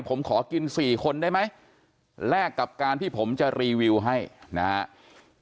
ผมขอกิน๔คนได้ไหมแลกกับการที่ผมจะรีวิวให้นะครับ